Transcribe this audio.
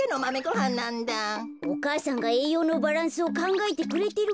お母さんがえいようのバランスをかんがえてくれてるからだよ。